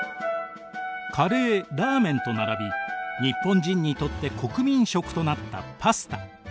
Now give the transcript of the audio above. カレーラーメンと並び日本人にとって国民食となったパスタ。